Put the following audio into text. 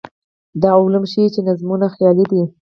دا علوم ښيي چې نظمونه خیالي دي.